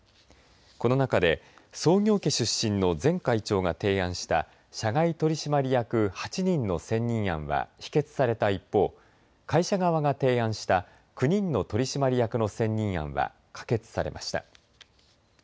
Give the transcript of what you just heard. この中で創業家出身の前会長が提案した社外取締役８人の選任案は否決された一方会社側が提案した国の取締役の選任案は可決されました。